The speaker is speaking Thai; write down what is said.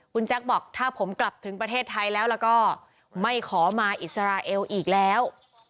คุณแจ๊คบอกถ้าผมกลับถึงประเทศไทยแล้วแล้วก็ไม่ขอมาอิสราเอลอีกแล้ว